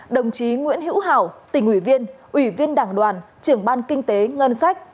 đồng chí nguyễn hữu hảo tỉnh ủy viên ủy viên đảng đoàn trưởng ban kinh tế ngân sách